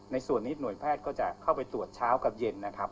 ส่วนนี้หน่วยแพทย์ก็จะเข้าไปตรวจเช้ากับเย็นนะครับ